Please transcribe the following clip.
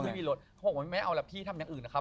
พี่ไม่เอาแล้วพี่ทำอย่างอื่นนะครับ